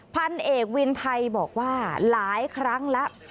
พันเอกวินไทยบอกว่าหลายครั้งแล้ว